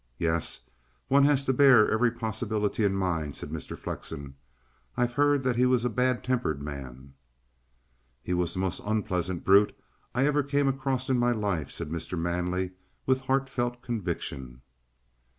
"Yes; one has to bear every possibility in mind," said Mr. Flexen. "I've heard that he was a bad tempered man." "He was the most unpleasant brute I ever came across in my life," said Mr. Manley with heartfelt conviction.